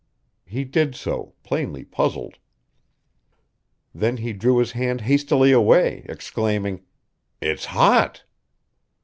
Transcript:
He did so, plainly puzzled. Then he drew his hand hastily away, exclaiming: "It's hot!"